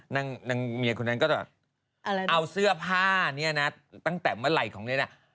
นางเมียคนนั้นก็จะเอาเสื้อผ้าเนี่ยนะตั้งแต่เมื่อไหร่ของเนี่ยนะ